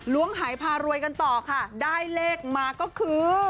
หายพารวยกันต่อค่ะได้เลขมาก็คือ